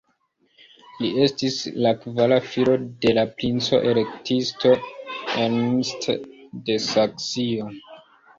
Li estis la kvara filo de la princo-elektisto Ernst de Saksio.